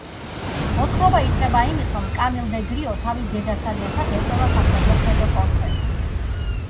მოთხრობა იწყება იმით, რომ კამილ დე გრიო თავის დედასთან ერთად ეწვევა საქველმოქმედო კონცერტს.